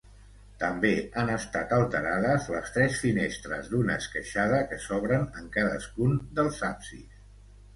També han estat alterades les tres finestres d'una esqueixada que s'obren en cadascun dels absis.